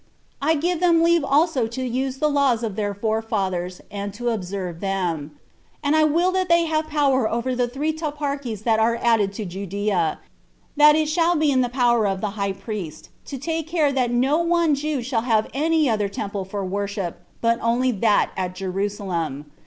I give them leave also to use the laws of their forefathers, and to observe them; and I will that they have power over the three toparchies that are added to Judea; and it shall be in the power of the high priest to take care that no one Jew shall have any other temple for worship but only that at Jerusalem.